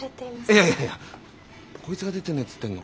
いやいやいやこいつが出てねえっつってんの。